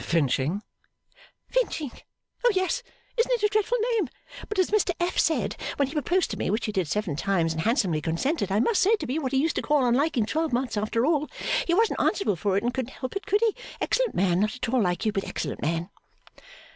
'Finching?' 'Finching oh yes isn't it a dreadful name, but as Mr F. said when he proposed to me which he did seven times and handsomely consented I must say to be what he used to call on liking twelve months, after all, he wasn't answerable for it and couldn't help it could he, Excellent man, not at all like you but excellent man!